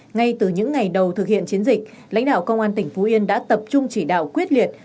ngay từ những ngày đầu thực hiện chiến dịch lãnh đạo công an tỉnh phú yên đã tập trung chỉ đạo quyết liệt